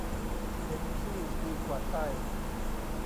เห็นขี้ดีกว่าไส้